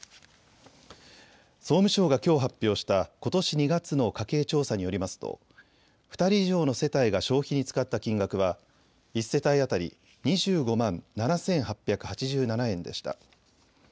総務省がきょう発表したことし２月の家計調査によりますと２人以上の世帯が消費に使った金額は１世帯当たり２５万７８８７円でした。